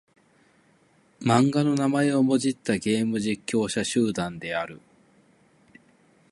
漫画の名前をもじったゲーム実況者集団である。